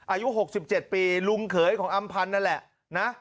อายุ๖๗ปีลุงเขยของอำพันธ์นั่นแหละนะ